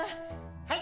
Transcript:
はい！